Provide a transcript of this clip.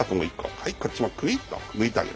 はいこっちもくいっと抜いてあげる。